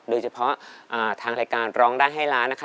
โดยเฉพาะทางรายการร้องได้ให้ล้านนะคะ